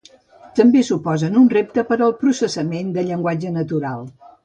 També suposen un repte per al processament de llenguatge natural.